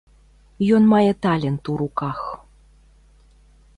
Ён мае талент у руках.